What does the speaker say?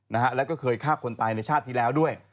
นะฮะแล้วก็เคยฆ่าคนตายในชาติที่แล้วด้วย